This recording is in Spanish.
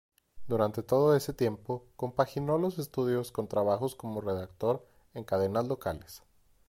Durante todo ese tiempo compaginó los estudios con trabajos como redactor en cadenas locales.